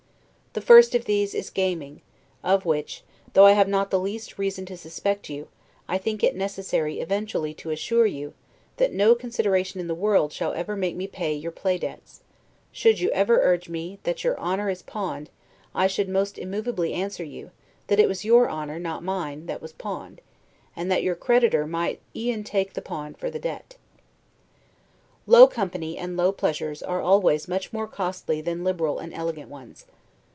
The first of these is gaming, of which, though I have not the least reason to suspect you, I think it necessary eventually to assure you, that no consideration in the world shall ever make me pay your play debts; should you ever urge to me that your honor is pawned, I should most immovably answer you, that it was your honor, not mine, that was pawned; and that your creditor might e'en take the pawn for the debt. Low company, and low pleasures, are always much more costly than liberal and elegant ones.